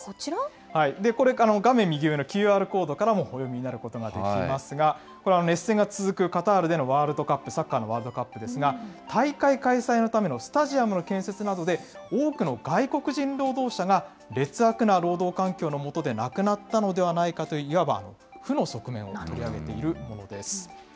これ、画面右上のＱＲコードからもお読みになることができますが、熱戦が続くカタールでのワールドカップ、サッカーのワールドカップですが、大会開催のためのスタジアムの建設などで、多くの外国人労働者が劣悪な労働環境のもとで亡くなったのではないかという、いわば負の側面を取り上げているものです。